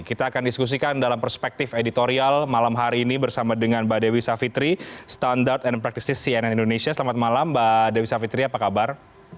kita akan diskusikan dalam perspektif editorial malam hari ini bersama dengan mbak dewi savitri standard and practices cnn indonesia selamat malam mbak dewi savitri apa kabar